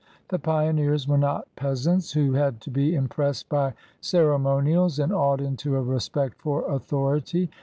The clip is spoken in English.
The pioneers were not peas ants who had to be impressed by ceremonials and awed into a respect for authority.